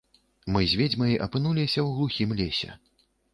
Мы з ведзьмай апынуліся ў глухім лесе.